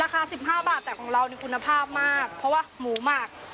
แล้วก็ราคา๑๕บาทแต่ของเรานี่คุณภาพมากเพราะว่าหมูมาก